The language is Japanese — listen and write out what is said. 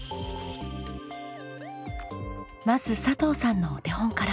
まず佐藤さんのお手本から。